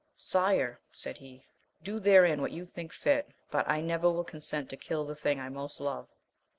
Sire, said he, do therein what you think fit, but I never will consent to kill the thing I most love.